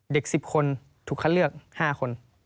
เด็ก๑๐คนทุกครั้งเลือก๕คน